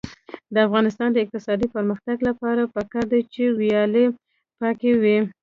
د افغانستان د اقتصادي پرمختګ لپاره پکار ده چې ویالې پاکې وي.